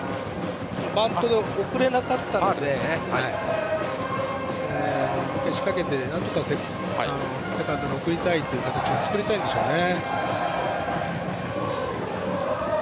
バントで送れなかったので仕掛けて、なんとかセカンドに送るという形を作りたいんでしょうね。